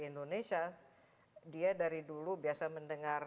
indonesia dia dari dulu biasa mendengar